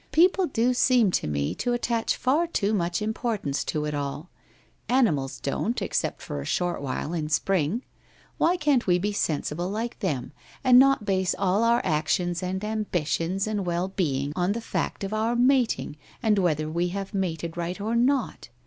People do seem to me to attach far too much importance to it all. Animals don't, except for a short while in spring. Why can't wc be sensible like them, and not base all our actions and ambitions and well being on the fact of our mating and whether we have mated right or not?